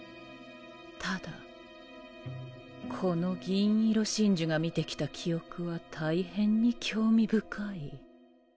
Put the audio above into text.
ただこの銀色真珠が見てきた記憶は大変に興味深い。